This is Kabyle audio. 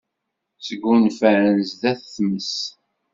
Sgunfan sdat tmes.